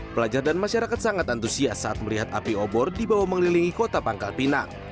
pelajar dan masyarakat sangat antusias saat melihat api obor dibawah mengelilingi kota pangkalpinang